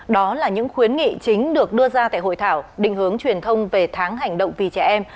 đó là những khuyến nghị chính được đưa ra tại hội thảo định hướng truyền thông về tháng hành động vì trẻ em